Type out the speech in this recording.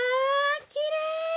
きれい！